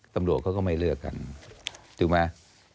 ตำรวจเขาก็ไม่เลือกกันถูกไหม